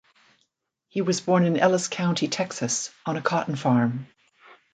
He was born in Ellis County, Texas on a cotton farm.